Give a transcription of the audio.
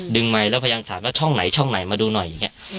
ดึงไมค์แล้วพยายามสามารถช่องไหนช่องไหนมาดูหน่อยอย่างเงี้ยอืม